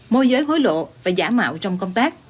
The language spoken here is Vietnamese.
môi giới hối lộ và giả mạo trong công tác